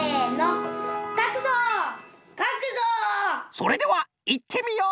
それではいってみよう！